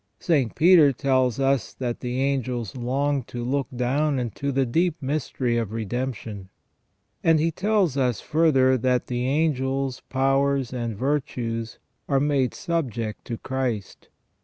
St. Peter tells us that the angels longed to look down into the deep mystery of Redemption. And he tells us further, that the angels, powers, 19 290 THE FALL OF MAN and virtues are made subject to Christ.